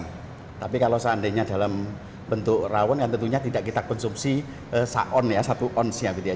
tetapi kalau seandainya dalam bentuk rawon ya tentunya tidak kita konsumsi satu ounce ya